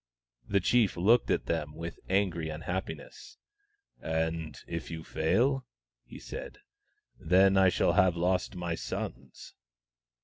The chief looked at them with angry unhappiness. " And if you fail ?" he said. " Then I shall have lost my sons."